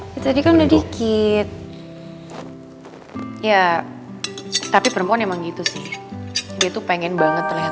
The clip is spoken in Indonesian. jadi perempuan emang gitu sih dia tuh pengen banget terlihat